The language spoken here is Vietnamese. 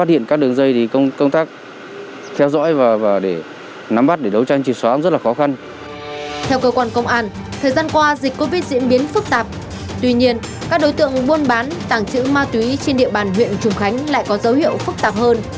tuy nhiên các đối tượng buôn bán tảng chữ ma túi trên địa bàn huyện trùng khánh lại có dấu hiệu phức tạp hơn